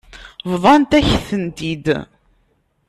Bḍant-ak-tent-id.